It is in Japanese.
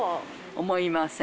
思いません。